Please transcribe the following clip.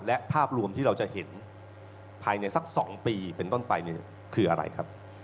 และภาพรวมที่เราจะเห็นภายในสัก๒ปีเป็นต้นไปคืออะไรครับ